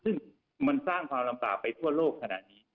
ซึ่งมันสร้างความลำบากไปทั่วโลกขนาดนี้